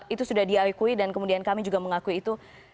itu sudah diakui dan kemudian kami juga mengakui itu